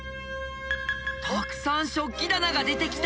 たくさん食器棚が出てきた。